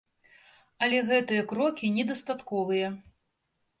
Але гэтыя крокі недастатковыя.